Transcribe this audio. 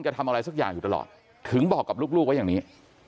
ทำอะไรสักอย่างอยู่ตลอดถึงบอกกับลูกไว้อย่างนี้